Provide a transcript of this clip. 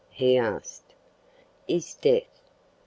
he asked. "Is death."